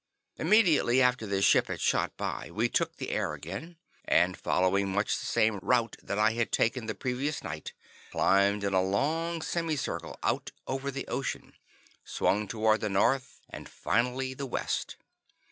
Immediately after this ship had shot by, we took the air again, and following much the same route that I had taken the previous night, climbed in a long semi circle out over the ocean, swung toward the north and finally the west.